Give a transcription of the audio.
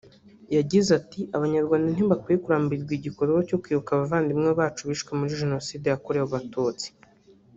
yagize ati “Abanyarwanda ntibakwiye kurambirwa igikorwa cyo kwibuka abavandimwe bacu bishwe muri Jenoside yakorewe Abatutsi